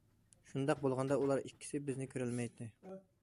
شۇنداق بولغاندا ئۇلار ئىككىسى بىزنى كۆرەلمەيتتى.